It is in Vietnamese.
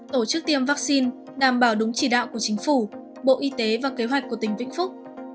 tổ chức tiêm vaccine đảm bảo đúng chỉ đạo của chính phủ bộ y tế và kế hoạch của tỉnh vĩnh phúc